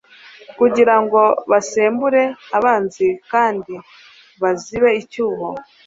kugira ngo basembure abanzi kandi bazibe icyuho